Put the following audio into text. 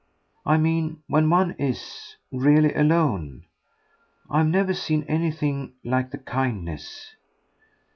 I mean when one IS really alone. I've never seen anything like the kindness."